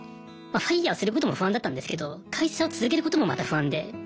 ＦＩＲＥすることも不安だったんですけど会社を続けることもまた不安で。